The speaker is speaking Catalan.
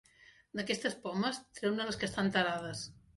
D'aquestes pomes, treu-ne les que estan tarades.